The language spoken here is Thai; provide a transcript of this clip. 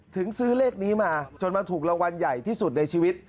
ถึงซื้อเลขนี้มาจนมันถูกรวรรณใหญ่ที่สุดในชีวิต